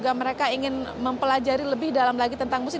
mereka ingin mempelajari lebih dalam lagi tentang musik